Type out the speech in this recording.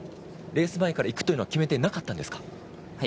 レース前から行くっていうのは決めていなかったんですか？